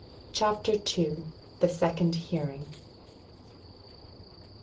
Chapter II The Second Hearing.